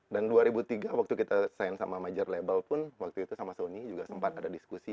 dan dua ribu tiga waktu kita sign sama major label pun waktu itu sama sony juga sempat ada diskusi